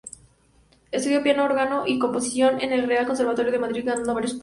Estudió piano, órgano y composición en el Real Conservatorio de Madrid, ganando varios premios.